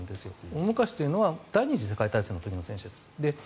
大昔というのは第２次世界大戦の時の戦車です。